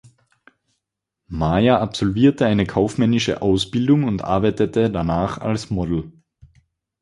Maya absolvierte eine kaufmännische Ausbildung und arbeitete danach als Model.